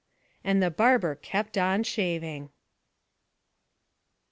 And the barber kept on shaving.